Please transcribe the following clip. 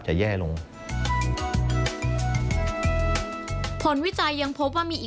กระแสรักสุขภาพและการก้าวขัด